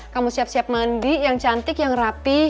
kamu siap siap mandi yang cantik yang rapi